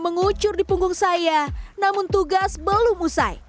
ada yang hancur di punggung saya namun tugas belum usai